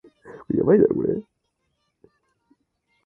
The nearest commuter rail station is Ano Patisia metro station.